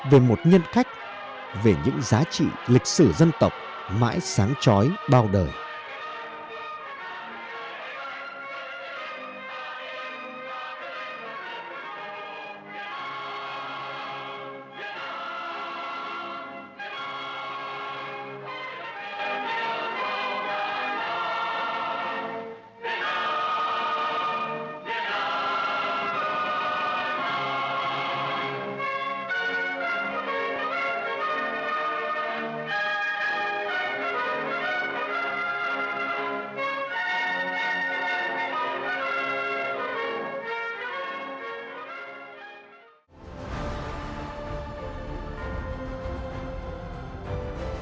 về một nhân cách về những giá trị lịch sử dân tộc mãi sáng trói bao đời